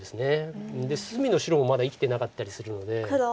隅の白もまだ生きてなかったりするので。